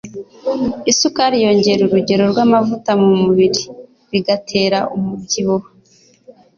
isukari yongera urugero rw'amavuta mu mubiri bigatera umubyibuho